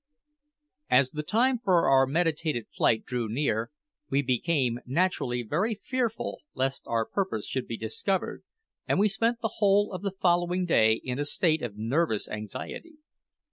As the time for our meditated flight drew near, we became naturally very fearful lest our purpose should be discovered, and we spent the whole of the following day in a state of nervous anxiety.